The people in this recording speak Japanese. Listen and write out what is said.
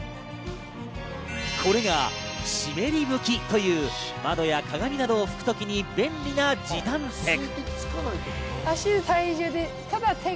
これが湿り拭きという窓や鏡などを拭くときに便利な時短テク。